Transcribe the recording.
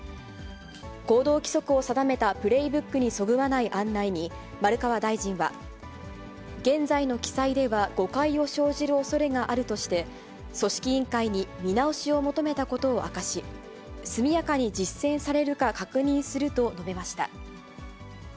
行動規則を定めたプレイブックにそぐわない案内に、丸川大臣は、現在の記載では誤解を生じるおそれがあるとして、組織委員会に見直しを求めたことを明かし、速やかに実践されるか確認すると述べました。